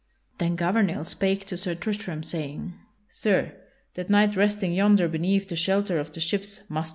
Then Gouvernail spake to Sir Tristram, saying: "Sir, that knight resting yonder beneath the shelter of the ships must be Sir Marhaus."